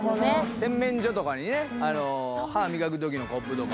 洗面所とかにね歯磨く時のコップとか。